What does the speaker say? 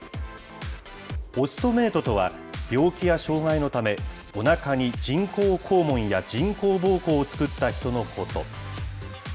オストメイトとは、病気や障害のため、おなかに人工肛門や人工ぼうこうを作った人のこと。